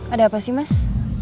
ada apa sih mas